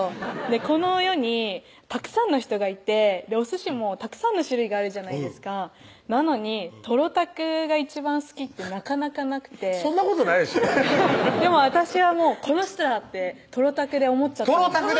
この世にたくさんの人がいておすしもたくさんの種類があるじゃないですかなのにトロたくが一番好きってなかなかなくてそんなことないでしょでも私はこの人だ！ってトロたくで思っちゃったんです